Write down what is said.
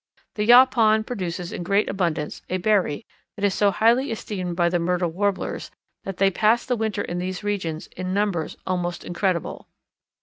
The yaupon produces in great abundance a berry that is so highly esteemed by the Myrtle Warblers that they pass the winter in these regions in numbers almost incredible.